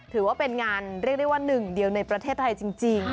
ถือว่าเป็นงานเรียกได้ว่าหนึ่งเดียวในประเทศไทยจริง